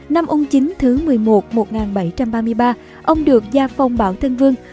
năm ung chính thứ một mươi một một nghìn bảy trăm ba mươi ba ông được gia phong bảo thân vương